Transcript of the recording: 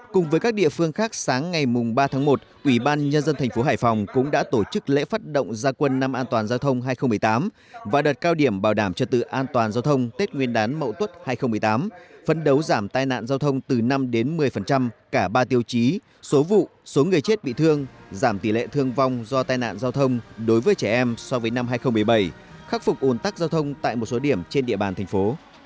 cùng với các địa phương khác sáng ngày ba tháng một ủy ban nhân dân thành phố hải phòng cũng đã tổ chức lễ phát động gia quân năm an toàn giao thông hai nghìn một mươi tám và đợt cao điểm bảo đảm trật tự an toàn giao thông tết nguyên đán mậu tuất hai nghìn một mươi tám phấn đấu giảm tai nạn giao thông từ năm đến một mươi cả ba tiêu chí số vụ số người chết bị thương giảm tỷ lệ thương vong do tai nạn giao thông đối với trẻ em so với năm hai nghìn một mươi bảy khắc phục ồn tắc giao thông tại một số điểm trên địa bàn thành phố